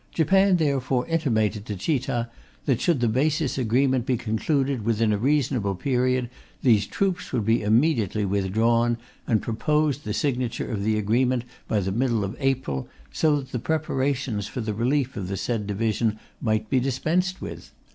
Japan therefore intimated to Chita that should the basis agreement be concluded within a reasonable period these troops would be immediately withdrawn, and proposed the signature of the agreement by the middle of April, so that the preparations for the relief of the said division might be dispensed with.